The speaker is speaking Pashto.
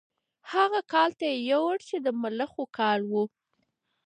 هغه کال ته یې یوړ چې د ملخو کال و.